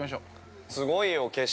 ◆すごいよ、景色。